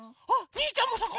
にーちゃんもそこ。